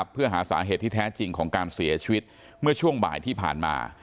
เพื่อหาสาเหตุที่แท้จริงของการเสียชีวิตเมื่อช่วงบ่ายที่ผ่านมา